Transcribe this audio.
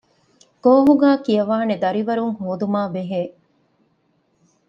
ކޯހުގައި ކިޔަވާނެ ދަރިވަރުން ހޯދުމާ ބެހޭ